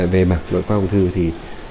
về mặt ngoại khoa ông thư thì